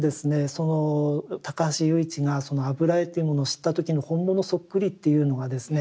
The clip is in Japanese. その高橋由一がその油絵というものを知った時の本物そっくりっていうのがですね